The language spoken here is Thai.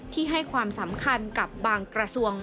ที่ให้ความสำคัญกับบางกระทรวง